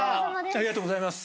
ありがとうございます。